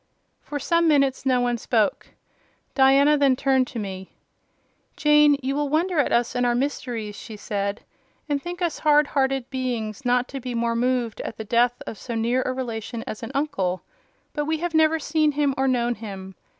For some minutes no one spoke. Diana then turned to me. "Jane, you will wonder at us and our mysteries," she said, "and think us hard hearted beings not to be more moved at the death of so near a relation as an uncle; but we have never seen him or known him.